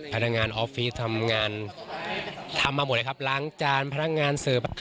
พลังงานออฟฟิศทำงาน